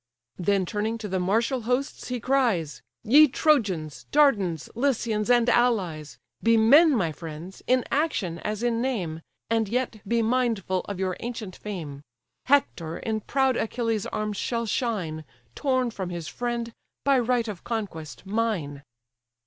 Then turning to the martial hosts, he cries: "Ye Trojans, Dardans, Lycians, and allies! Be men, my friends, in action as in name, And yet be mindful of your ancient fame. Hector in proud Achilles' arms shall shine, Torn from his friend, by right of conquest mine."